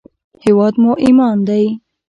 هېواد مو ایمان دی